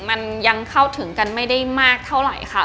มันยังเข้าถึงกันไม่ได้มากเท่าไหร่ค่ะ